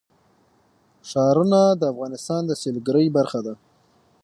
ښارونه د افغانستان د سیلګرۍ برخه ده.